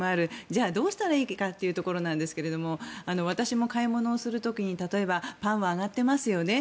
じゃあどうしたらいいかというところなんですけれども私も買い物をする時に例えばパンは上がってますよね。